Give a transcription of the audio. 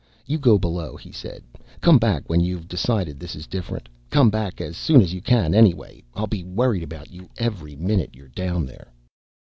"You go below," he said. "Come back when you've decided this is different. Come back as soon as you can anyway. I'll be worried about you every minute you're down there."